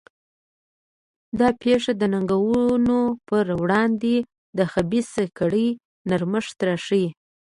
دا پېښه د ننګونو پر وړاندې د خبیثه کړۍ نرمښت راښيي.